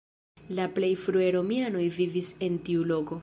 La plej frue romianoj vivis en tiu loko.